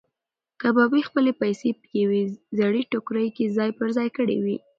کبابي خپلې پیسې په یوې زړې ټوکرۍ کې ځای پر ځای کړې وې.